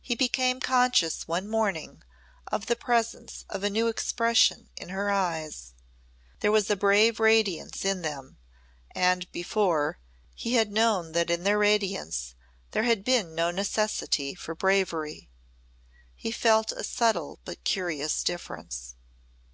He became conscious one morning of the presence of a new expression in her eyes. There was a brave radiance in them and, before, he had known that in their radiance there had been no necessity for bravery. He felt a subtle but curious difference.